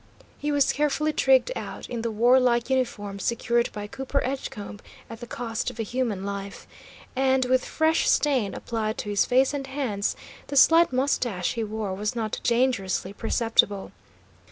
He was carefully trigged out in the warlike uniform secured by Cooper Edgecombe at the cost of a human life, and, with fresh stain applied to his face and hands, the slight moustache he wore was not dangerously perceptible.